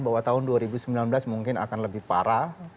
bahwa tahun dua ribu sembilan belas mungkin akan lebih parah